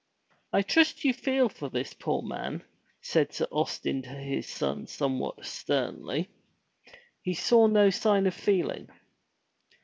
"I trust you feel for this poor man, said Sir Austin to his son somewhat sternly. He saw no sign of feeling.